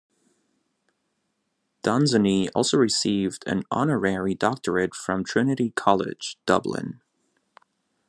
Dunsany also received an honorary doctorate from Trinity College, Dublin.